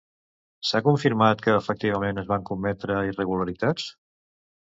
S'ha confirmat que efectivament es van cometre irregularitats?